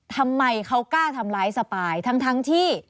ทำไมเขากล้าทำร้ายสปายทั้งที่